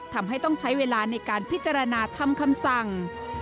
ทำให้ต้องใช้เวลาในการพิจารณาทำคำสั่ง